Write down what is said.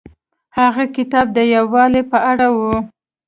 هغه کتاب د یووالي په اړه و.